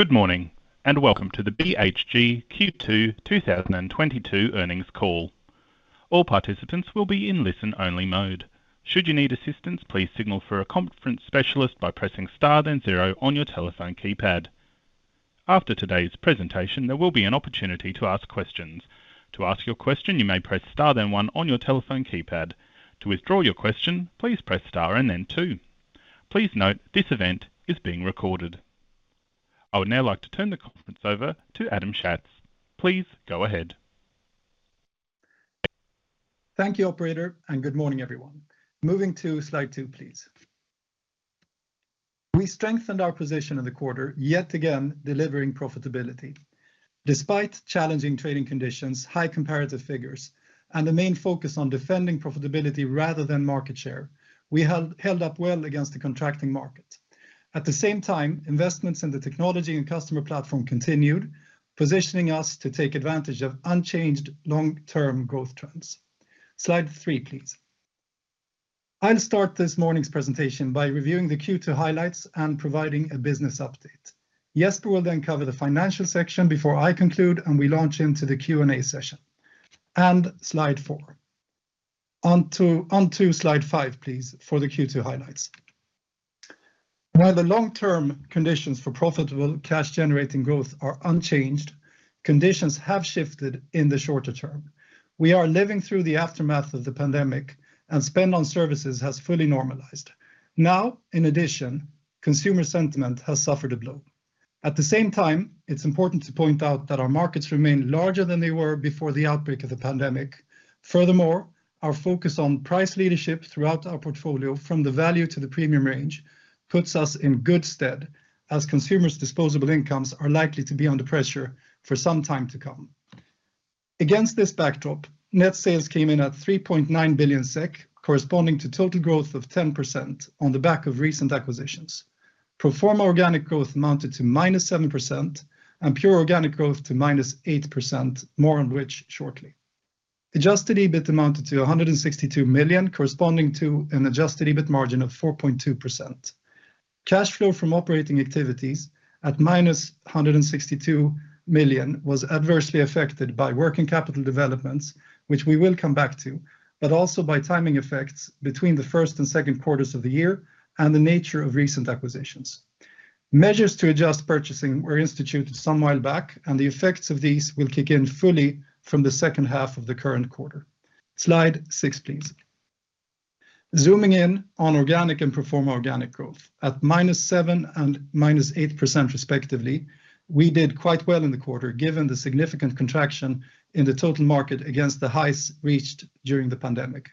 Good morning, and welcome to the BHG Q2 2022 Earnings Call. All participants will be in listen-only mode. Should you need assistance, please signal for a conference specialist by pressing star then zero on your telephone keypad. After today's presentation, there will be an opportunity to ask questions. To ask your question, you may press star then one on your telephone keypad. To withdraw your question, please press star and then two. Please note this event is being recorded. I would now like to turn the conference over to Adam Schatz. Please go ahead. Thank you, operator, and good morning, everyone. Moving to slide two, please. We strengthened our position in the quarter, yet again delivering profitability. Despite challenging trading conditions, high comparative figures, and the main focus on defending profitability rather than market share, we held up well against the contracting market. At the same time, investments in the technology and customer platform continued, positioning us to take advantage of unchanged long-term growth trends. Slide three, please. I'll start this morning's presentation by reviewing the Q2 highlights and providing a business update. Jesper will then cover the financial section before I conclude, and we launch into the Q&A session. Slide four. Onto slide five, please, for the Q2 highlights. While the long-term conditions for profitable cash-generating growth are unchanged, conditions have shifted in the shorter term. We are living through the aftermath of the pandemic, and spend on services has fully normalized. Now, in addition, consumer sentiment has suffered a blow. At the same time, it's important to point out that our markets remain larger than they were before the outbreak of the pandemic. Furthermore, our focus on price leadership throughout our portfolio, from the value to the premium range, puts us in good stead as consumers' disposable incomes are likely to be under pressure for some time to come. Against this backdrop, net sales came in at 3.9 billion SEK, corresponding to total growth of 10% on the back of recent acquisitions. Pro forma organic growth amounted to -7% and pure organic growth to -8%, more on which shortly. Adjusted EBIT amounted to 162 million, corresponding to an Adjusted EBIT margin of 4.2%. Cash flow from operating activities at -162 million was adversely affected by working capital developments, which we will come back to, but also by timing effects between the first and second quarters of the year and the nature of recent acquisitions. Measures to adjust purchasing were instituted some time back, and the effects of these will kick in fully from the second half of the current quarter. Slide six, please. Zooming in on organic and pro forma organic growth. At -7% and -8% respectively, we did quite well in the quarter, given the significant contraction in the total market against the highs reached during the pandemic.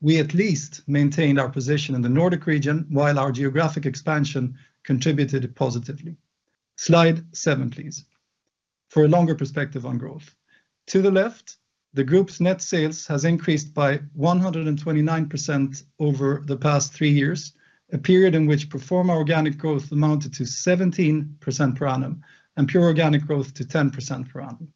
We at least maintained our position in the Nordic region while our geographic expansion contributed positively. Slide seven, please. For a longer perspective on growth. To the left, the group's net sales has increased by 129% over the past three years, a period in which pro forma organic growth amounted to 17% per annum and pure organic growth to 10% per annum.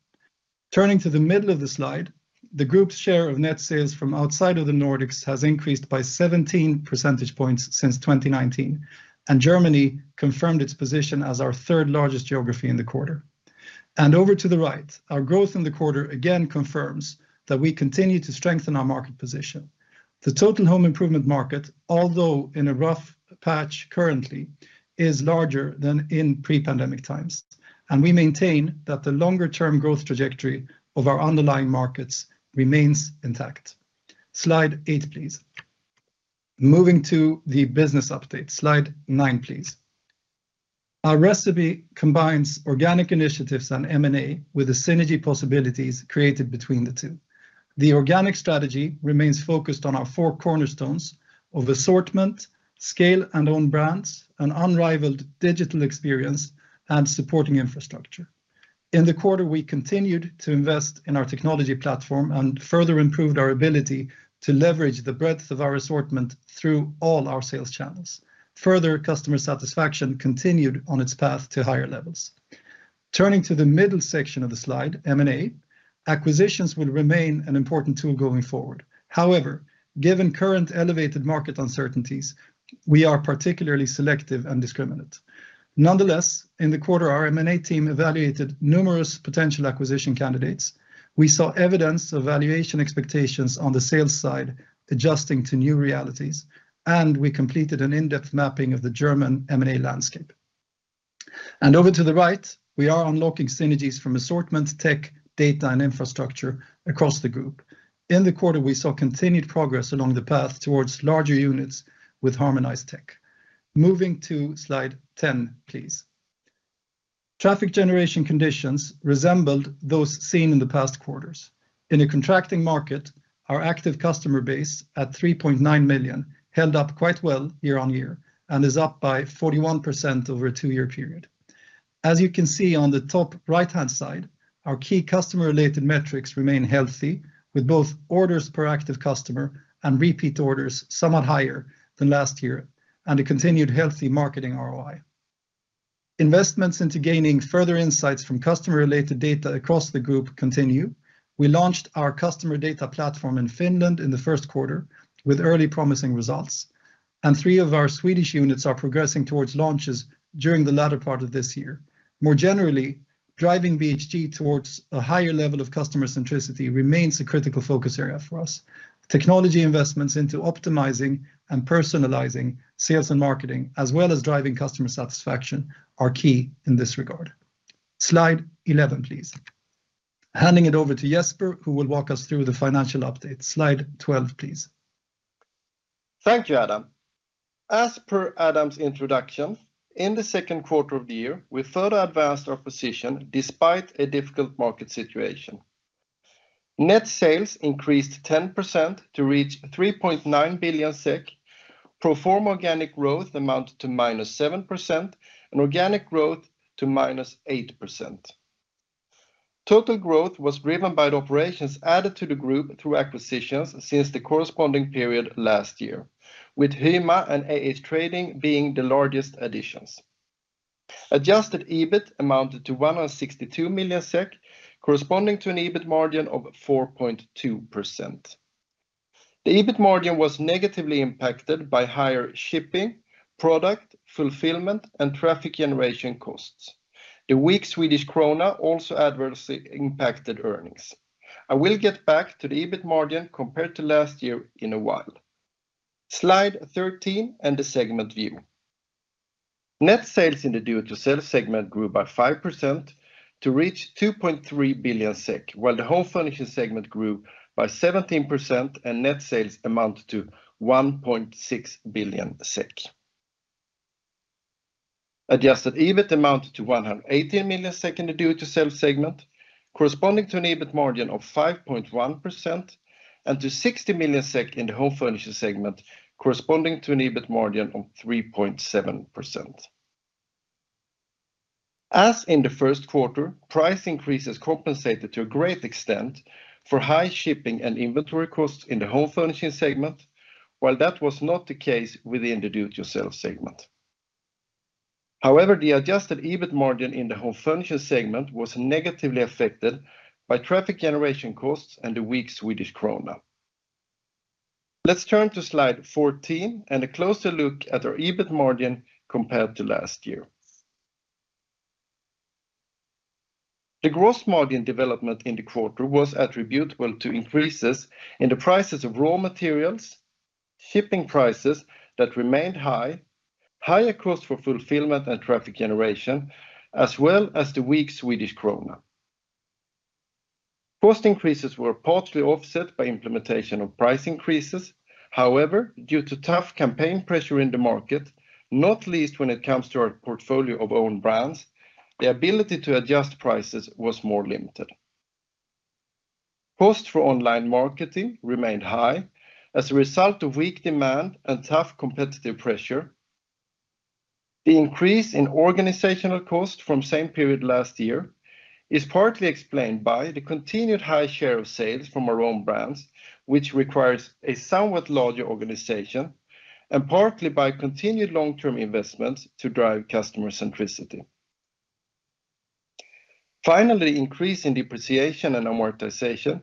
Turning to the middle of the slide, the group's share of net sales from outside of the Nordics has increased by 17 percentage points since 2019, and Germany confirmed its position as our third-largest geography in the quarter. Over to the right, our growth in the quarter again confirms that we continue to strengthen our market position. The total home improvement market, although in a rough patch currently, is larger than in pre-pandemic times, and we maintain that the longer-term growth trajectory of our underlying markets remains intact. Slide eight, please. Moving to the business update. Slide nine, please. Our recipe combines organic initiatives and M&A with the synergy possibilities created between the two. The organic strategy remains focused on our four cornerstones of assortment, scale and own brands, an unrivaled digital experience, and supporting infrastructure. In the quarter, we continued to invest in our technology platform and further improved our ability to leverage the breadth of our assortment through all our sales channels. Further, customer satisfaction continued on its path to higher levels. Turning to the middle section of the slide, M&A, acquisitions will remain an important tool going forward. However, given current elevated market uncertainties, we are particularly selective and discriminate. Nonetheless, in the quarter, our M&A team evaluated numerous potential acquisition candidates. We saw evidence of valuation expectations on the sales side adjusting to new realities, and we completed an in-depth mapping of the German M&A landscape. Over to the right, we are unlocking synergies from assortment, tech, data, and infrastructure across the group. In the quarter, we saw continued progress along the path towards larger units with harmonized tech. Moving to slide 10, please. Traffic generation conditions resembled those seen in the past quarters. In a contracting market, our active customer base at 3.9 million held up quite well year-on-year and is up by 41% over a two-year period. As you can see on the top right-hand side, our key customer-related metrics remain healthy, with both orders per active customer and repeat orders somewhat higher than last year and a continued healthy marketing ROI. Investments into gaining further insights from customer-related data across the group continue. We launched our customer data platform in Finland in the first quarter with early promising results. Three of our Swedish units are progressing towards launches during the latter part of this year. More generally, driving BHG towards a higher level of customer centricity remains a critical focus area for us. Technology investments into optimizing and personalizing sales and marketing, as well as driving customer satisfaction, are key in this regard. Slide 11, please. Handing it over to Jesper, who will walk us through the financial update. Slide 12, please. Thank you, Adam. As per Adam's introduction, in the second quarter of the year, we further advanced our position despite a difficult market situation. Net sales increased 10% to reach 3.9 billion SEK. Pro forma organic growth amounted to -7% and organic growth to -8%. Total growth was driven by the operations added to the group through acquisitions since the corresponding period last year, with HYMA and AH-Trading being the largest additions. Adjusted EBIT amounted to 162 million SEK, corresponding to an EBIT margin of 4.2%. The EBIT margin was negatively impacted by higher shipping, product fulfillment, and traffic generation costs. The weak Swedish krona also adversely impacted earnings. I will get back to the EBIT margin compared to last year in a while. Slide 13 and the segment view. Net sales in the Do-It-Yourself segment grew by 5% to reach 2.3 billion SEK, while the Home Furnishing segment grew by 17% and net sales amounted to 1.6 billion SEK. Adjusted EBIT amounted to 118 million SEK in the Do-It-Yourself segment, corresponding to an EBIT margin of 5.1% and to 60 million SEK in the Home Furnishing segment, corresponding to an EBIT margin of 3.7%. As in the first quarter, price increases compensated to a great extent for high shipping and inventory costs in the Home Furnishing segment, while that was not the case within the Do-It-Yourself segment. However, the Adjusted EBIT margin in the Home Furnishing segment was negatively affected by traffic generation costs and the weak Swedish krona. Let's turn to slide 14 and a closer look at our EBIT margin compared to last year. The gross margin development in the quarter was attributable to increases in the prices of raw materials, shipping prices that remained high, higher cost for fulfillment and traffic generation, as well as the weak Swedish krona. Cost increases were partly offset by implementation of price increases. However, due to tough campaign pressure in the market, not least when it comes to our portfolio of own brands, the ability to adjust prices was more limited. Costs for online marketing remained high as a result of weak demand and tough competitive pressure. The increase in organizational cost from same period last year is partly explained by the continued high share of sales from our own brands, which requires a somewhat larger organization, and partly by continued long-term investments to drive customer centricity. Finally, increase in depreciation and amortization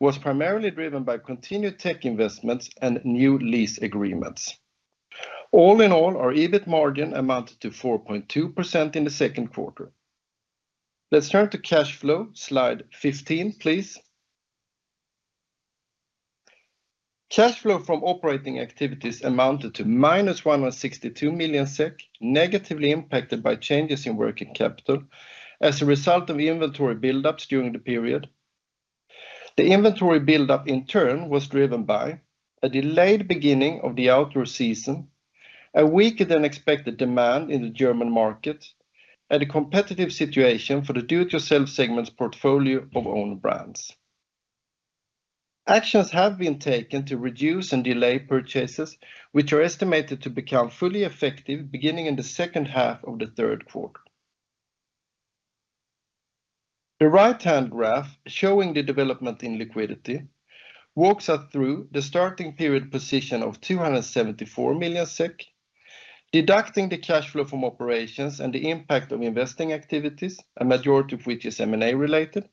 was primarily driven by continued tech investments and new lease agreements. All in all, our EBIT margin amounted to 4.2% in the second quarter. Let's turn to cash flow, slide 15, please. Cash flow from operating activities amounted to -162 million SEK, negatively impacted by changes in working capital as a result of inventory buildups during the period. The inventory buildup, in turn, was driven by a delayed beginning of the outdoor season, a weaker than expected demand in the German market, and a competitive situation for the Do-It-Yourself segment's portfolio of own brands. Actions have been taken to reduce and delay purchases, which are estimated to become fully effective beginning in the second half of the third quarter. The right-hand graph showing the development in liquidity walks us through the starting period position of 274 million SEK, deducting the cash flow from operations and the impact of investing activities, a majority of which is M&A related,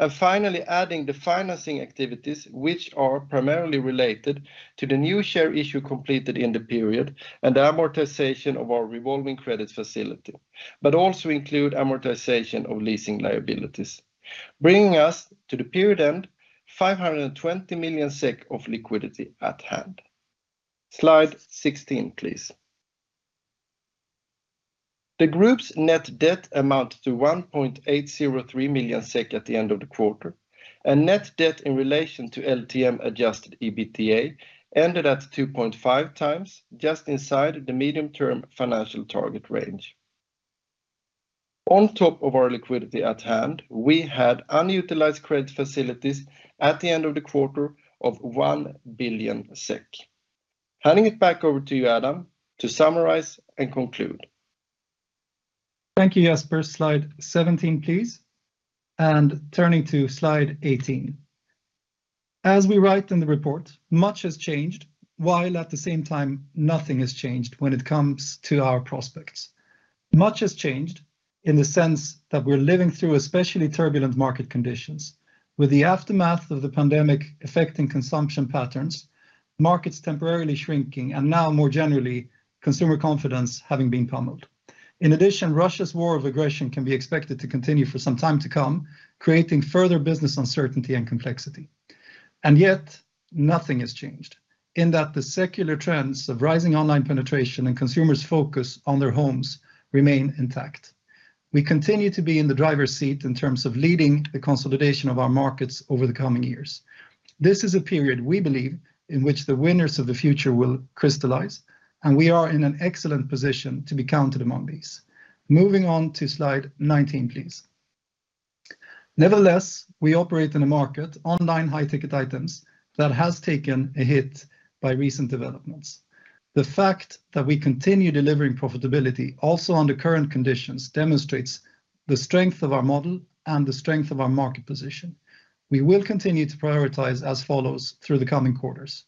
and finally adding the financing activities which are primarily related to the new share issue completed in the period and the amortization of our revolving credit facility, but also include amortization of leasing liabilities, bringing us to the period end 520 million SEK of liquidity at hand. Slide 16, please. The group's net debt amounted to 1.803 million SEK at the end of the quarter, and net debt in relation to LTM Adjusted EBITDA ended at 2.5x just inside the medium-term financial target range. On top of our liquidity at hand, we had unutilized credit facilities at the end of the quarter of 1 billion SEK. Handing it back over to you, Adam, to summarize and conclude. Thank you, Jesper. Slide 17, please, and turning to slide 18. As we write in the report, much has changed, while at the same time, nothing has changed when it comes to our prospects. Much has changed in the sense that we're living through especially turbulent market conditions with the aftermath of the pandemic affecting consumption patterns, markets temporarily shrinking, and now more generally, consumer confidence having been pummeled. In addition, Russia's war of aggression can be expected to continue for some time to come, creating further business uncertainty and complexity. Yet, nothing has changed in that the secular trends of rising online penetration and consumers focus on their homes remain intact. We continue to be in the driver's seat in terms of leading the consolidation of our markets over the coming years. This is a period we believe in which the winners of the future will crystallize, and we are in an excellent position to be counted among these. Moving on to slide 19, please. Nevertheless, we operate in a market, online high-ticket items, that has taken a hit by recent developments. The fact that we continue delivering profitability also under current conditions, demonstrates the strength of our model and the strength of our market position. We will continue to prioritize as follows through the coming quarters.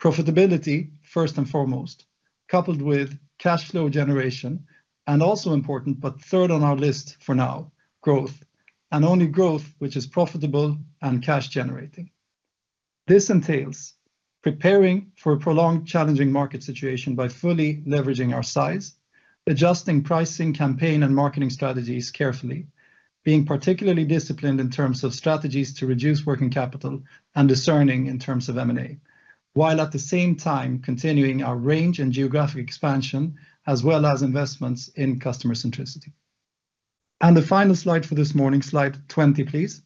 Profitability first and foremost, coupled with cash flow generation, and also important, but third on our list for now, growth, and only growth which is profitable and cash generating. This entails preparing for a prolonged, challenging market situation by fully leveraging our size, adjusting pricing, campaign and marketing strategies carefully, being particularly disciplined in terms of strategies to reduce working capital and discerning in terms of M&A, while at the same time continuing our range and geographic expansion as well as investments in customer centricity. The final slide for this morning. Slide 20, please.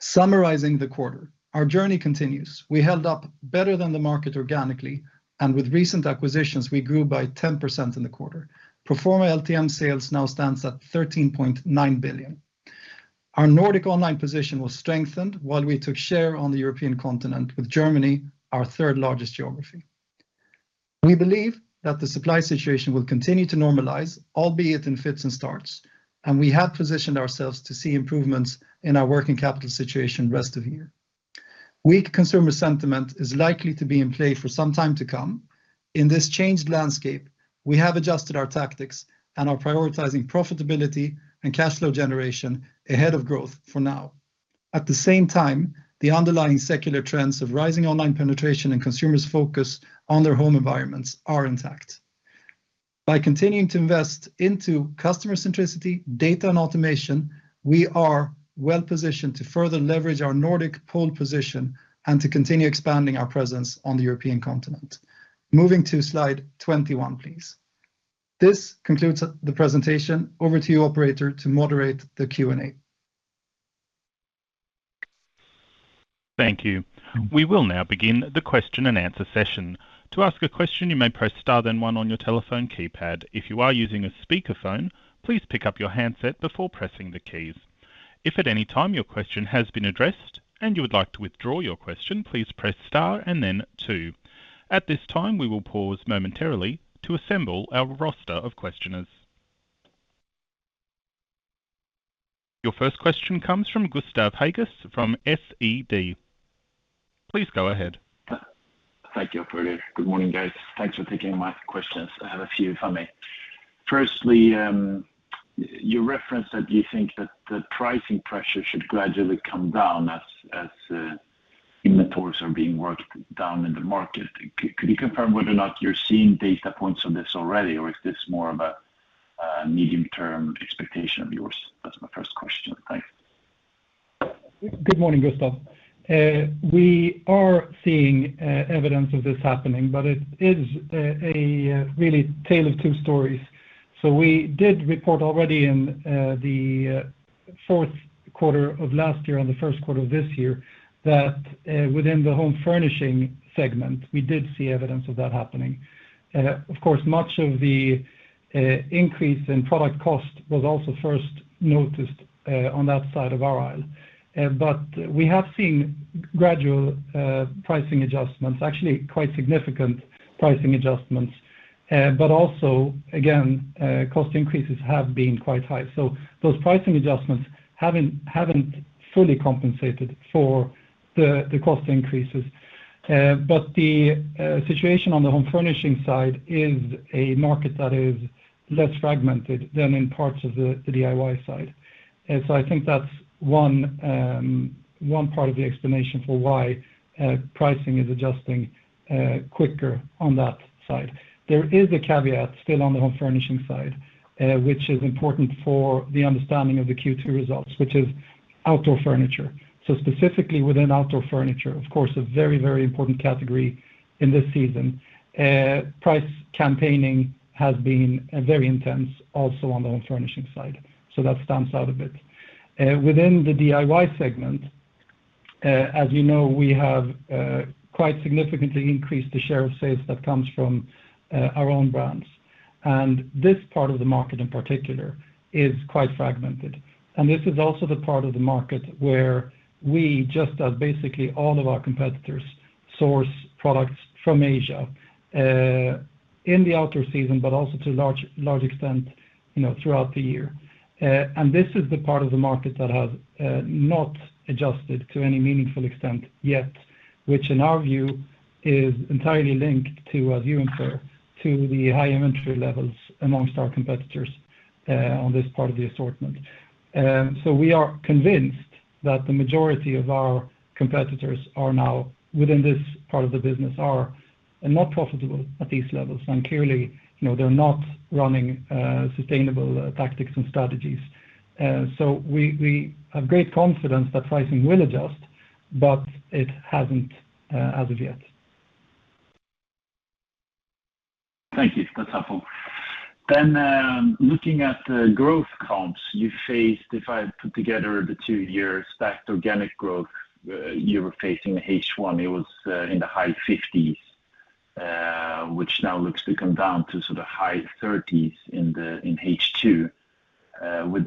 Summarizing the quarter, our journey continues. We held up better than the market organically and with recent acquisitions we grew by 10% in the quarter. Pro forma LTM sales now stands at 13.9 billion. Our Nordic online position was strengthened while we took share on the European continent with Germany, our third-largest geography. We believe that the supply situation will continue to normalize, albeit in fits and starts, and we have positioned ourselves to see improvements in our working capital situation rest of the year. Weak consumer sentiment is likely to be in play for some time to come. In this changed landscape, we have adjusted our tactics and are prioritizing profitability and cash flow generation ahead of growth for now. At the same time, the underlying secular trends of rising online penetration and consumers' focus on their home environments are intact. By continuing to invest into customer centricity, data and automation, we are well-positioned to further leverage our Nordic pole position and to continue expanding our presence on the European continent. Moving to slide 21, please. This concludes the presentation. Over to you, operator, to moderate the Q&A. Thank you. We will now begin the question-and-answer session. To ask a question, you may press star then one on your telephone keypad. If you are using a speakerphone, please pick up your handset before pressing the keys. If at any time your question has been addressed and you would like to withdraw your question, please press star and then two. At this time, we will pause momentarily to assemble our roster of questioners. Your first question comes from Gustav Hagéus from SEB. Please go ahead. Thank you, operator. Good morning, guys. Thanks for taking my questions. I have a few if I may. Firstly, you referenced that you think that the pricing pressure should gradually come down as inventories are being worked down in the market. Could you confirm whether or not you're seeing data points on this already, or is this more of a medium-term expectation of yours? That's my first question. Thanks. Good morning, Gustav. We are seeing evidence of this happening, but it is a really tale of two stories. We did report already in the fourth quarter of last year and the first quarter of this year that within the Home Furnishing segment, we did see evidence of that happening. Of course, much of the increase in product cost was also first noticed on that side of our aisle. We have seen gradual pricing adjustments, actually quite significant pricing adjustments. But also again, cost increases have been quite high. Those pricing adjustments haven't fully compensated for the cost increases. The situation on the Home Furnishing side is a market that is less fragmented than in parts of the DIY side. I think that's one part of the explanation for why pricing is adjusting quicker on that side. There is a caveat still on the Home Furnishing side, which is important for the understanding of the Q2 results, which is outdoor furniture. Specifically, within outdoor furniture, of course, a very, very important category in this season. Price campaigning has been very intense also on the Home Furnishing side, so that stands out a bit. Within the DIY segment, as you know, we have quite significantly increased the share of sales that comes from our own brands. This part of the market in particular is quite fragmented. This is also the part of the market where we just as basically all of our competitors source products from Asia, in the outdoor season, but also to large extent, you know, throughout the year. This is the part of the market that has not adjusted to any meaningful extent yet, which in our view is entirely linked to, as you infer, to the high inventory levels among our competitors. On this part of the assortment. We are convinced that the majority of our competitors are now within this part of the business and not profitable at these levels. Clearly, you know, they're not running sustainable tactics and strategies. We have great confidence that pricing will adjust, but it hasn't, as of yet. Thank you. That's helpful. Looking at growth comps you faced, if I put together the two years stacked organic growth, you were facing the H1, it was in the high 50s%, which now looks to come down to sort of high 30s% in H2.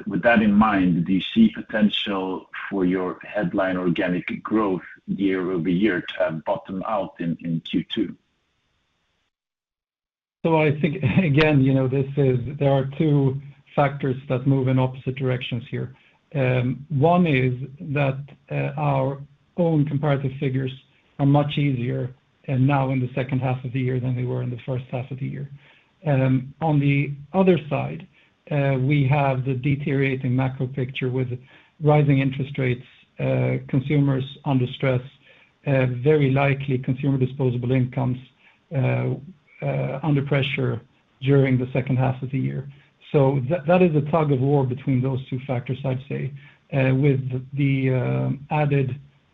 With that in mind, do you see potential for your headline organic growth year-over-year to have bottom out in Q2? I think again, you know, there are two factors that move in opposite directions here. One is that our own comparative figures are much easier and now in the second half of the year than they were in the first half of the year. On the other side, we have the deteriorating macro picture with rising interest rates, consumers under stress, very likely consumer disposable incomes under pressure during the second half of the year. That is a tug-of-war between those two factors, I'd say. With the added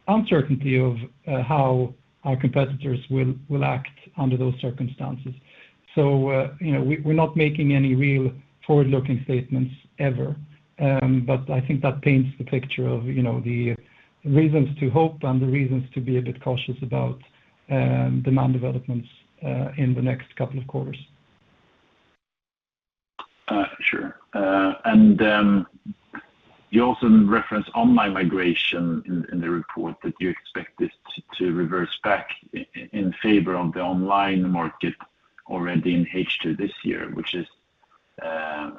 uncertainty of how our competitors will act under those circumstances. You know, we're not making any real forward-looking statements ever. I think that paints the picture of, you know, the reasons to hope and the reasons to be a bit cautious about demand developments in the next couple of quarters. Sure. You also referenced online migration in the report that you expect this to reverse back in favor of the online market already in H2 this year, which is a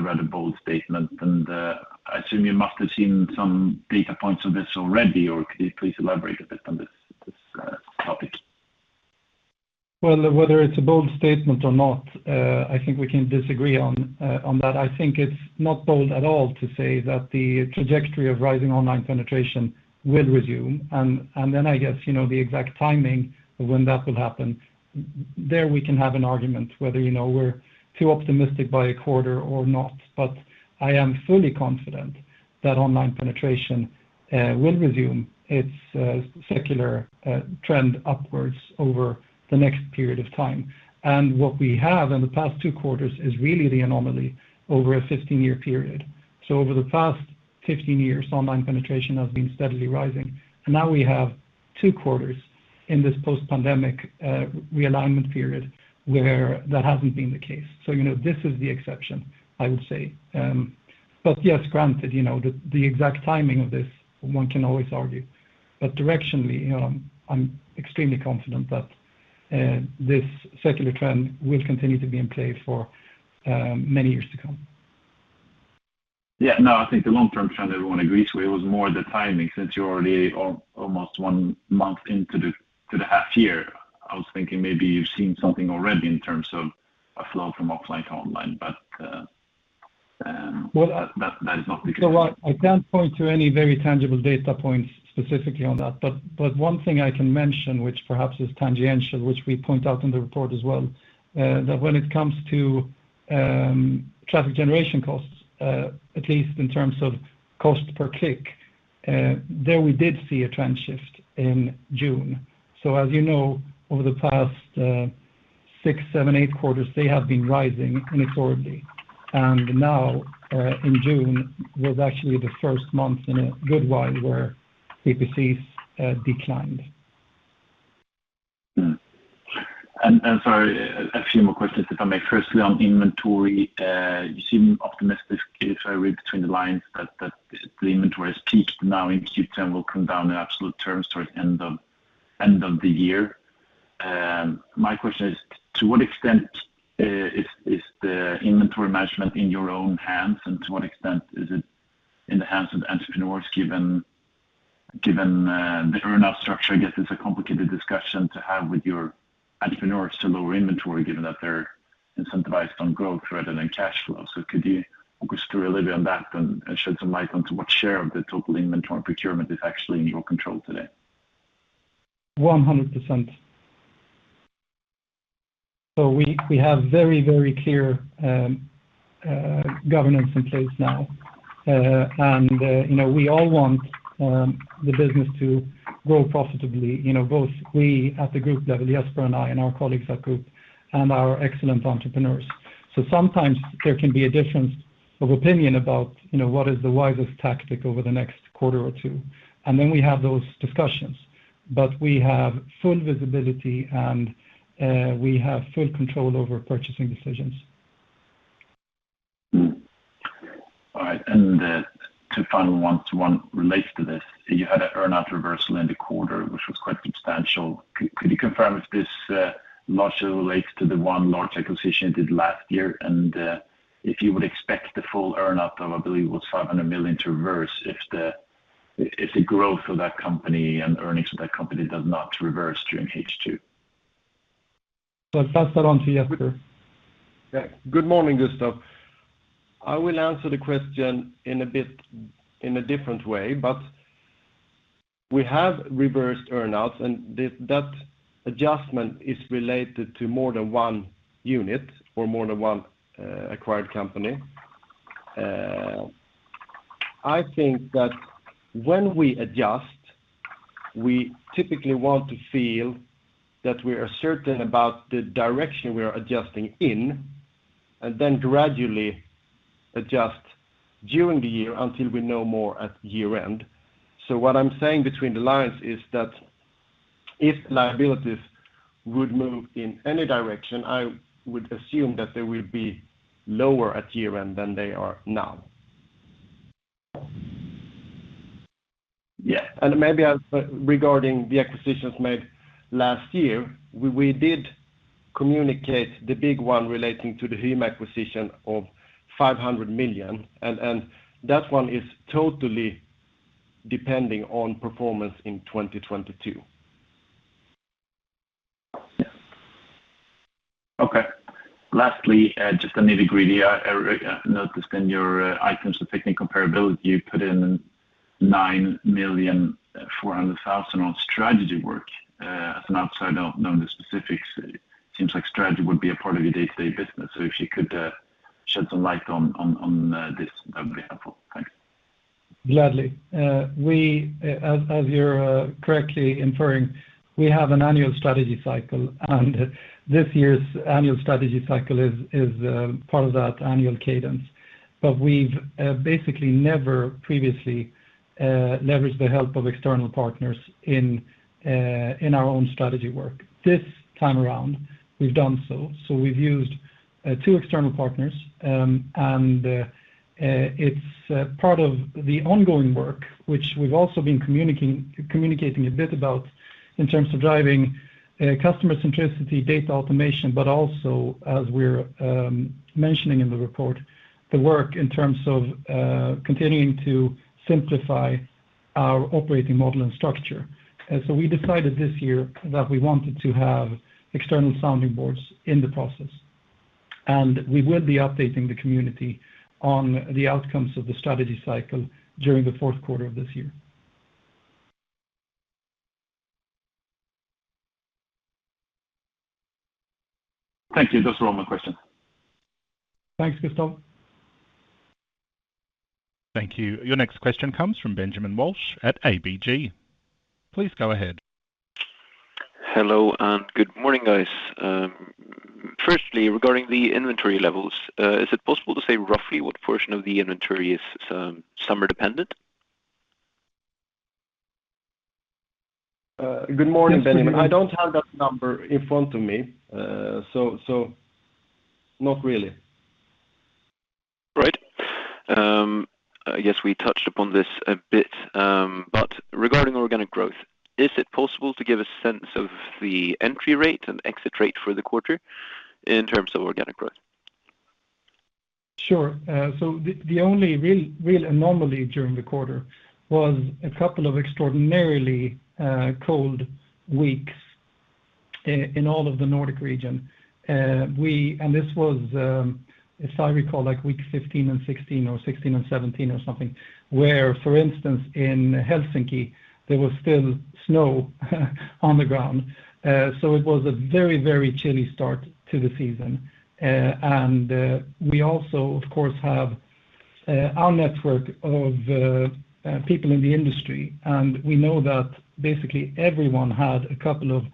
rather bold statement. I assume you must have seen some data points on this already, or could you please elaborate a bit on this topic? Well, whether it's a bold statement or not, I think we can disagree on that. I think it's not bold at all to say that the trajectory of rising online penetration will resume. I guess, you know, the exact timing of when that will happen there, we can have an argument whether, you know, we're too optimistic by a quarter or not. I am fully confident that online penetration will resume its secular trend upwards over the next period of time. What we have in the past two quarters is really the anomaly over a 15-year period. Over the past 15 years, online penetration has been steadily rising, and now we have two quarters in this post-pandemic realignment period where that hasn't been the case. You know, this is the exception, I would say. Yes, granted, you know, the exact timing of this one can always argue. Directionally, you know, I'm extremely confident that this secular trend will continue to be in play for many years to come. Yeah, no, I think the long-term trend everyone agrees with was more the timing since you're already almost one month into the half year. I was thinking maybe you've seen something already in terms of a flow from offline to online, but. Well... That is not the case. I can't point to any very tangible data points specifically on that. One thing I can mention, which perhaps is tangential, which we point out in the report as well, that when it comes to traffic generation costs, at least in terms of cost per click, there we did see a trend shift in June. As you know, over the past six, seven, eight quarters, they have been rising accordingly. Now, in June was actually the first month in a good while where PPCs declined. Sorry, a few more questions, if I may. First, on inventory, you seem optimistic if I read between the lines that the inventory has peaked now in Q10, will come down in absolute terms towards end of the year. My question is to what extent is the inventory management in your own hands, and to what extent is it in the hands of the entrepreneurs given the earn-out structure? I guess it's a complicated discussion to have with your entrepreneurs to lower inventory given that they're incentivized on growth rather than cash flow. Could you focus through a little bit on that and shed some light onto what share of the total inventory procurement is actually in your control today? 100%. We have very, very clear governance in place now. You know, we all want the business to grow profitably. You know, both we at the group level, Jesper and I and our colleagues at group and our excellent entrepreneurs. Sometimes there can be a difference of opinion about, you know, what is the wisest tactic over the next quarter or two, and then we have those discussions. We have full visibility and we have full control over purchasing decisions. Two final ones. One relates to this. You had an earn-out reversal in the quarter, which was quite substantial. Could you confirm if this largely relates to the one large acquisition you did last year and if you would expect the full earn-out of, I believe it was 500 million, to reverse if the growth of that company and earnings of that company does not reverse during H2? I'll pass that on to Jesper. Yeah. Good morning, Gustav. I will answer the question in a different way, but we have reversed earn-outs, and that adjustment is related to more than one unit or more than one acquired company. I think that when we adjust, we typically want to feel that we are certain about the direction we are adjusting in and then gradually adjust during the year until we know more at year-end. What I'm saying between the lines is that if liabilities would move in any direction, I would assume that they will be lower at year-end than they are now. Yeah. Maybe as regarding the acquisitions made last year, we did communicate the big one relating to the Bygghemma acquisition of 500 million, and that one is totally depending on performance in 2022. Yeah. Okay. Lastly, just a nitty-gritty. I noticed in your items of technical comparability, you put in 9.4 million on strategy work. As an outsider, not knowing the specifics, it seems like strategy would be a part of your day-to-day business. If you could shed some light on this, that would be helpful. Thanks. Gladly. We, as you're correctly inferring, we have an annual strategy cycle, and this year's annual strategy cycle is part of that annual cadence. We've basically never previously leveraged the help of external partners in our own strategy work. This time around, we've done so. We've used two external partners, and it's part of the ongoing work, which we've also been communicating a bit about in terms of driving customer centricity, data automation, but also as we're mentioning in the report, the work in terms of continuing to simplify our operating model and structure. We decided this year that we wanted to have external sounding boards in the process, and we will be updating the community on the outcomes of the strategy cycle during the fourth quarter of this year. Thank you. Just one more question. Thanks, Gustav. Thank you. Your next question comes from Benjamin Wahlstedt at ABG. Please go ahead. Hello, and good morning, guys. Firstly, regarding the inventory levels, is it possible to say roughly what portion of the inventory is summer dependent? Good morning, Benjamin. Yes. I don't have that number in front of me, so not really. Right. I guess we touched upon this a bit, but regarding organic growth, is it possible to give a sense of the entry rate and exit rate for the quarter in terms of organic growth? Sure. So, the only real anomaly during the quarter was a couple of extraordinarily cold weeks in all of the Nordic region. This was, if I recall, like week 15 and 16 or 16 and 17 or something, where, for instance, in Helsinki, there was still snow on the ground. It was a very chilly start to the season. We also, of course, have our network of people in the industry, and we know that basically everyone had a couple of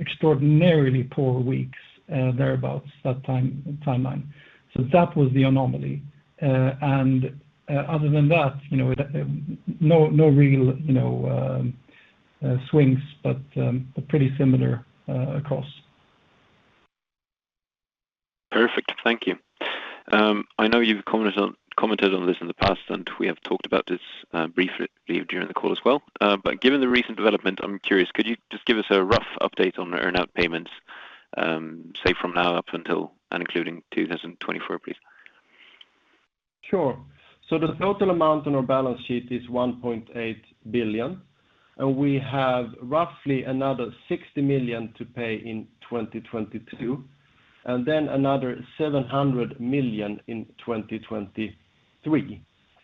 extraordinarily poor weeks thereabout that timeline. That was the anomaly. Other than that, you know, no real swings, you know, but a pretty similar across. Perfect. Thank you. I know you've commented on this in the past, and we have talked about this briefly during the call as well. Given the recent development, I'm curious, could you just give us a rough update on earn-out payments, say from now up until and including 2024, please? Sure. The total amount on our balance sheet is 1.8 billion, and we have roughly another 60 million to pay in 2022, and then another 700 million in 2023.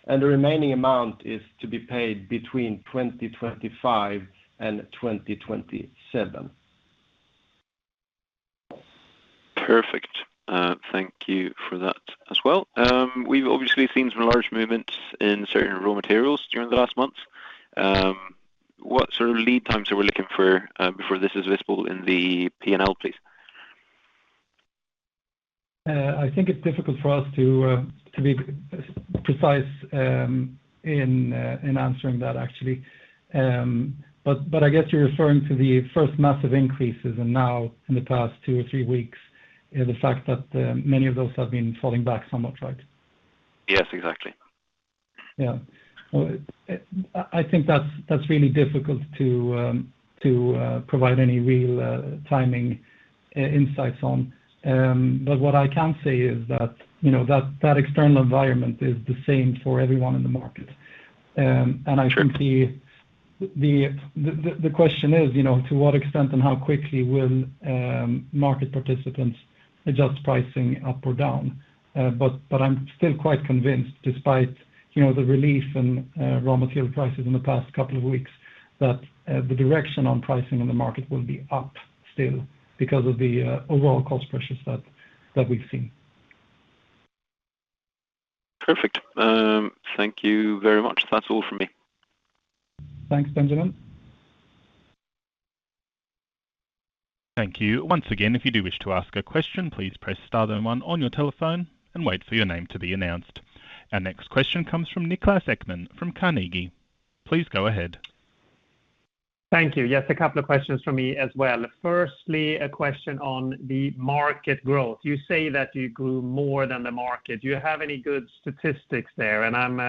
The remaining amount is to be paid between 2025 and 2027. Perfect. Thank you for that as well. We've obviously seen some large movements in certain raw materials during the last months. What sort of lead times are we looking for before this is visible in the P&L, please? I think it's difficult for us to be precise in answering that actually. I guess you're referring to the first massive increases and now in the past two or three weeks, the fact that many of those have been falling back somewhat, right? Yes, exactly. Yeah. Well, I think that's really difficult to provide any real timing insights on. But what I can say is that, you know, that external environment is the same for everyone in the market. I think the question is, you know, to what extent and how quickly will market participants adjust pricing up or down? I'm still quite convinced, despite, you know, the relief in raw material prices in the past couple of weeks that the direction on pricing in the market will be up still because of the overall cost pressures that we've seen. Perfect. Thank you very much. That's all from me. Thanks, Benjamin. Thank you. Once again, if you do wish to ask a question, please press star then one on your telephone and wait for your name to be announced. Our next question comes from Niklas Ekman from Carnegie. Please go ahead. Thank you. Yes, a couple of questions from me as well. Firstly, a question on the market growth. You say that you grew more than the market. Do you have any good statistics there? I'm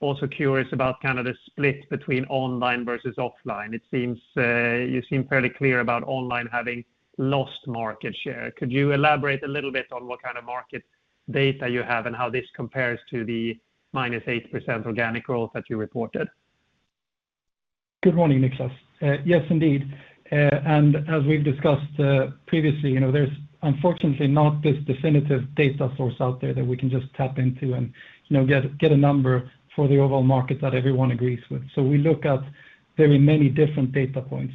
also curious about kind of the split between online versus offline. It seems you seem fairly clear about online having lost market share. Could you elaborate a little bit on what kind of market data you have and how this compares to the -8% organic growth that you reported? Good morning, Niklas. Yes, indeed. As we've discussed, previously, you know, there's unfortunately not this definitive data source out there that we can just tap into and, you know, get a number for the overall market that everyone agrees with. We look at very many different data points.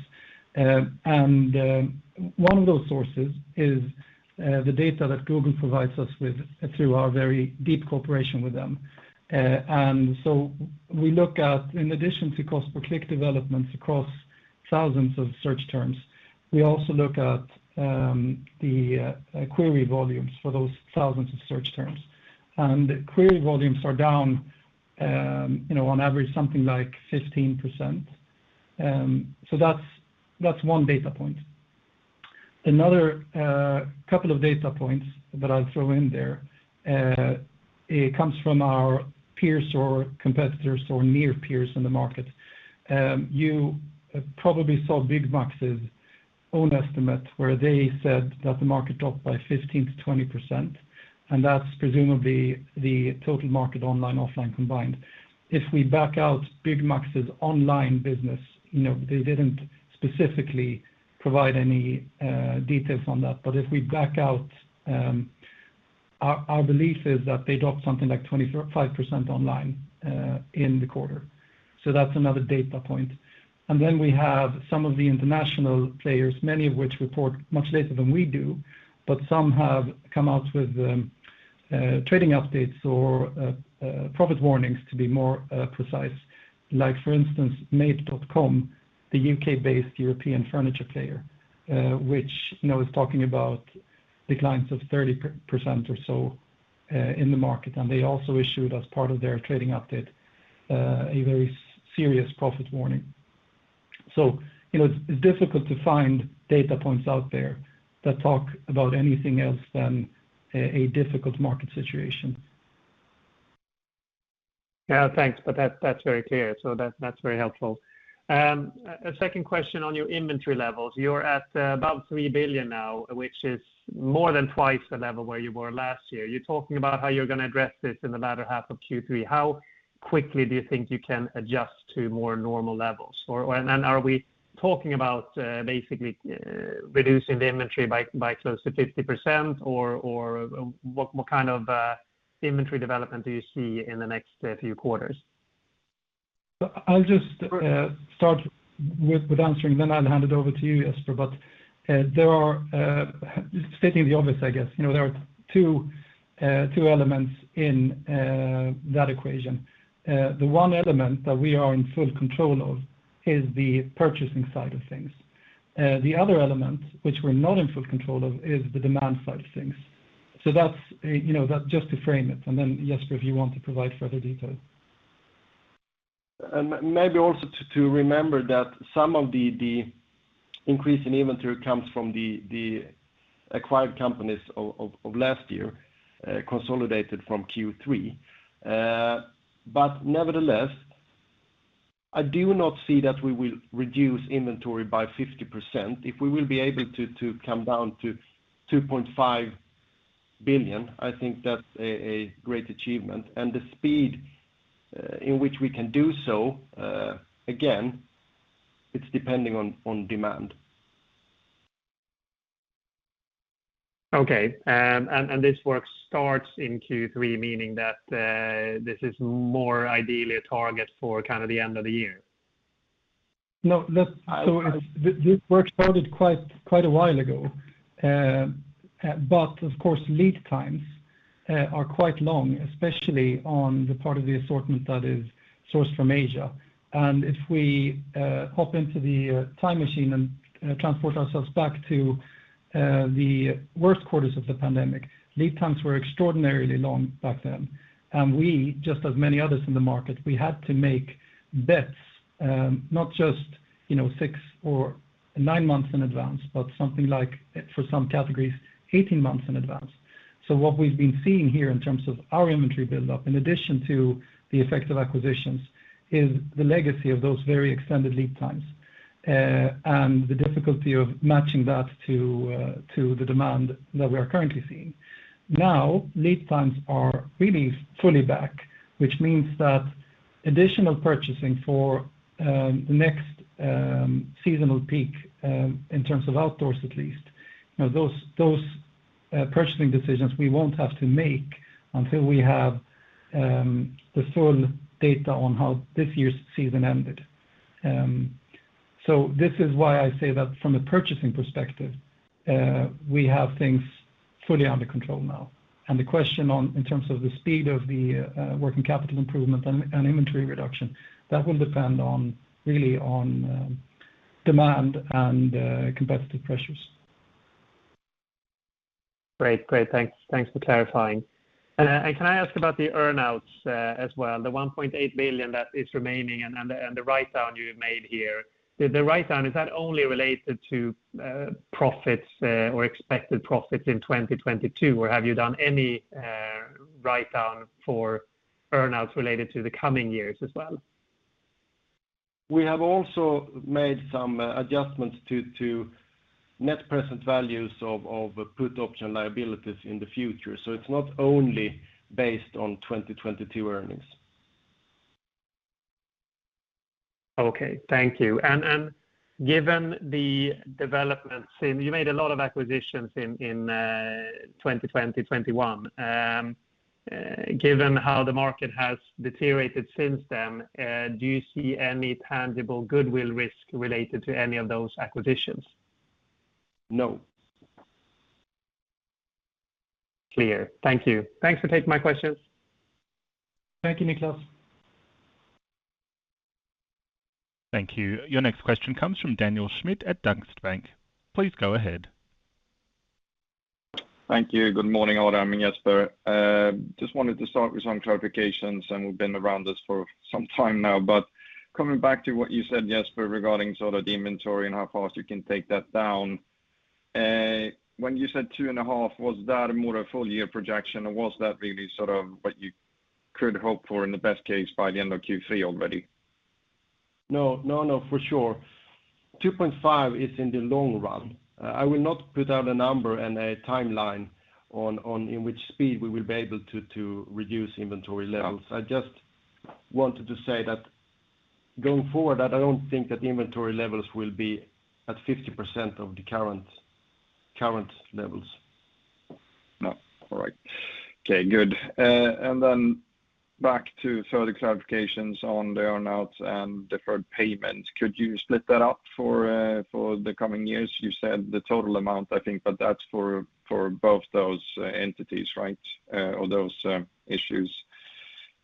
One of those sources is the data that Google provides us with through our very deep cooperation with them. We look at, in addition to cost per click developments across thousands of search terms, we also look at the query volumes for those thousands of search terms. The query volumes are down, you know, on average something like 15%. That's one data point. Another couple of data points that I'll throw in there, it comes from our peers or competitors or near peers in the market. You probably saw Bygghemma's own estimate where they said that the market dropped by 15%-20%, and that's presumably the total market online, offline combined. If we back out Bygghemma's online business, you know, they didn't specifically provide any details on that. But if we back out, our belief is that they dropped something like 25% online in the quarter. That's another data point. We have some of the international players, many of which report much later than we do, but some have come out with trading updates or profit warnings to be more precise. Like for instance, Made.com, the U.K.-based European furniture player, which, you know, is talking about declines of 30% or so, in the market. They also issued, as part of their trading update, a very serious profit warning. You know, it's difficult to find data points out there that talk about anything else than a difficult market situation. Yeah, thanks. That's very clear. That's very helpful. A second question on your inventory levels. You're at about 3 billion now, which is more than twice the level where you were last year. You're talking about how you're going to address this in the latter half of Q3. How quickly do you think you can adjust to more normal levels? Are we talking about basically reducing the inventory by close to 50% or what kind of inventory development do you see in the next few quarters? I'll just start with answering then I'll hand it over to you, Jesper. There are, stating the obvious, I guess, you know, there are two elements in that equation. The one element that we are in full control of is the purchasing side of things. The other element which we're not in full control of is the demand side of things. That's, you know, that's just to frame it. Then, Jesper, if you want to provide further details. Maybe also to remember that some of the increase in inventory comes from the acquired companies of last year, consolidated from Q3. Nevertheless, I do not see that we will reduce inventory by 50%. If we will be able to come down to 2.5 billion, I think that's a great achievement. The speed in which we can do so, again, it's depending on demand. Okay. This work starts in Q3, meaning that this is more ideally a target for kind of the end of the year. No. This work started quite a while ago. Of course, lead times are quite long, especially on the part of the assortment that is sourced from Asia. If we hop into the time machine and transport ourselves back to the worst quarters of the pandemic, lead times were extraordinarily long back then. We, just as many others in the market, had to make bets, not just, you know, six or nine months in advance, but something like, for some categories, 18 months in advance. What we've been seeing here in terms of our inventory buildup, in addition to the effects of acquisitions, is the legacy of those very extended lead times. The difficulty of matching that to the demand that we are currently seeing. Now, lead times are really fully back, which means that additional purchasing for the next seasonal peak in terms of outdoors at least. Now, those purchasing decisions we won't have to make until we have the full data on how this year's season ended. This is why I say that from a purchasing perspective, we have things fully under control now. The question, in terms of the speed of the working capital improvement and inventory reduction, that will depend really on demand and competitive pressures. Great. Thanks for clarifying. Can I ask about the earnouts as well? The 1.8 billion that is remaining and the write-down you made here. The write-down, is that only related to profits or expected profits in 2022, or have you done any write-down for earnouts related to the coming years as well? We have also made some adjustments to net present values of put option liabilities in the future. It's not only based on 2022 earnings. Okay. Thank you. You made a lot of acquisitions in 2020, 2021. Given how the market has deteriorated since then, do you see any tangible goodwill risk related to any of those acquisitions? No. Clear. Thank you. Thanks for taking my questions. Thank you, Niklas. Thank you. Your next question comes from Daniel Schmidt at Danske Bank. Please go ahead. Thank you. Good morning, Adam and Jesper. Just wanted to start with some clarifications, and we've been around this for some time now. Coming back to what you said, Jesper, regarding sort of the inventory and how fast you can take that down. When you said 2.5x, was that more a full year projection, or was that really sort of what you could hope for in the best case by the end of Q3 already? No. No, no, for sure. 2.5x is in the long run. I will not put out a number and a timeline on the speed in which we will be able to reduce inventory levels. I just wanted to say that going forward, I don't think that inventory levels will be at 50% of the current levels. No. All right. Okay, good. Back to further clarifications on the earnouts and deferred payments. Could you split that up for the coming years? You said the total amount, I think, but that's for both those entities, right? Or those issues.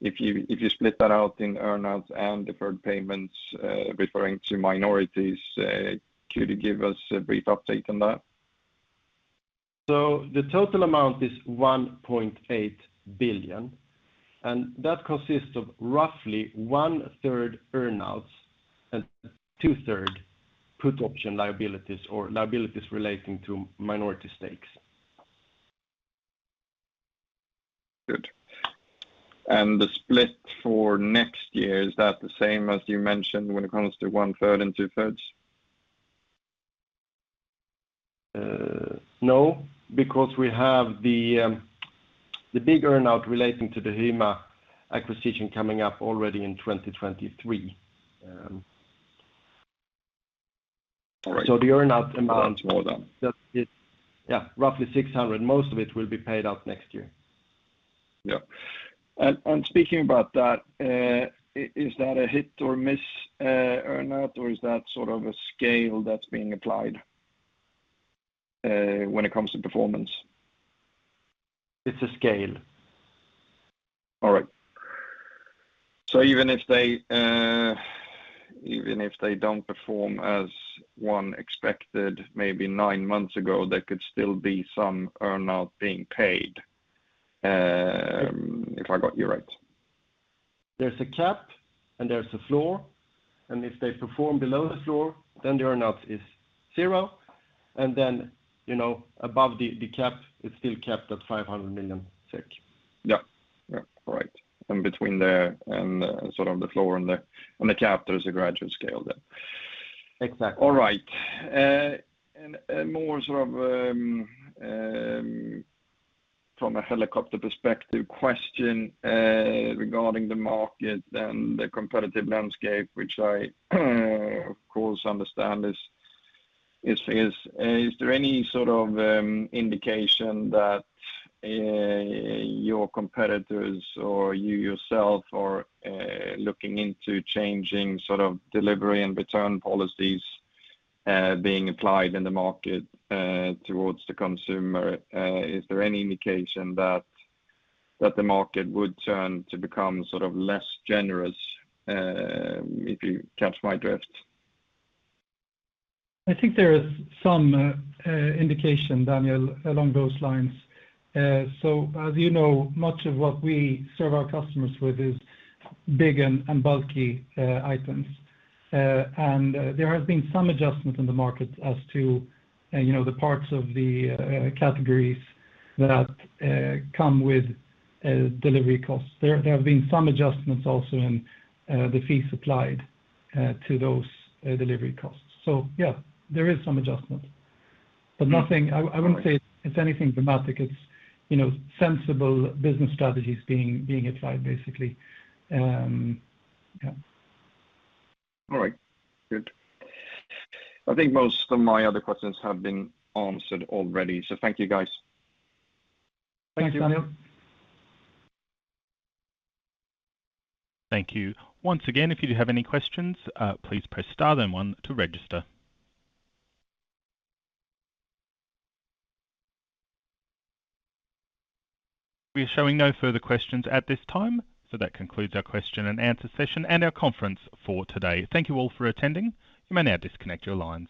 If you split that out in earnouts and deferred payments, referring to minorities, could you give us a brief update on that? The total amount is 1.8 billion, and that consists of roughly 1/3 earnouts and 2/3 put option liabilities or liabilities relating to minority stakes. Good. The split for next year, is that the same as you mentioned when it comes to 1/3 and 2/3? No, because we have the big earnout relating to the HYMA acquisition coming up already in 2023. All right. The earnout amount. Got more than- That is, yeah, roughly 600 million. Most of it will be paid out next year. Yeah. Speaking about that, is that a hit or miss earnout, or is that sort of a scale that's being applied when it comes to performance? It's a scale. All right. Even if they don't perform as one expected maybe nine months ago, there could still be some earnout being paid, if I got you right. There's a cap and there's a floor, and if they perform below the floor, then the earnout is zero. Then, you know, above the cap, it's still capped at 500 million SEK. Yeah. Right. Between the floor and the cap, there is a graduated scale. Exactly. All right. More sort of from a helicopter perspective question regarding the market and the competitive landscape, which I of course understand, is there any sort of indication that your competitors or you yourself are looking into changing sort of delivery and return policies being applied in the market towards the consumer? Is there any indication that the market would turn to become sort of less generous, if you catch my drift? I think there is some indication, Daniel, along those lines. As you know, much of what we serve our customers with is big and bulky items. There has been some adjustment in the market as to, you know, the parts of the categories that come with delivery costs. There have been some adjustments also in the fees applied to those delivery costs. Yeah, there is some adjustment. But nothing. I wouldn't say it's anything dramatic. It's, you know, sensible business strategies being applied, basically. Yeah. All right. Good. I think most of my other questions have been answered already. Thank you, guys. Thanks, Daniel. Thank you. Once again, if you do have any questions, please press star then one to register. We are showing no further questions at this time. That concludes our question and answer session and our conference for today. Thank you all for attending. You may now disconnect your lines.